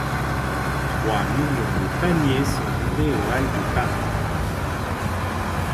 Trois millions de paniers sont livrés aux Halles de Paris.